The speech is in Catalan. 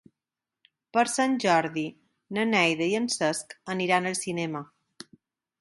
Per Sant Jordi na Neida i en Cesc aniran al cinema.